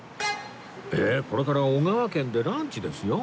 えっこれから小川軒でランチですよ！？